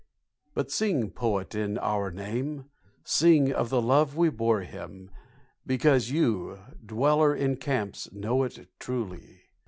But sing poet in our name, Sing of the love we bore him because you, dweller in camps, know it truly.